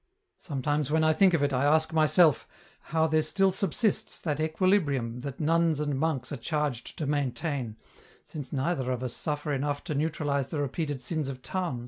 Sometimes when I think of it, I ask myself how there still subsists that equili brium that nuns and monks are charged to maintain, since neither of us suffer enough to neutralize the repeated sins of towns